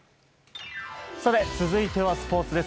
続いてはスポーツです。